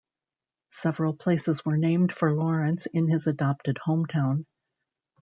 Several places were named for Laurence in his adopted hometown.